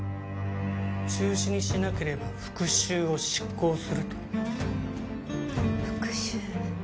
中止にしなければ復讐を執行すると復讐？